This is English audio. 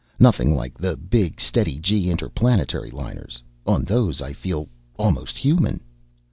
Nothing like the big steady g interplanetary liners. On those I feel almost human.